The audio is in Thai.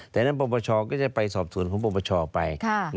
แต่นั้นปปชก็จะไปสอบสวนของปปชไป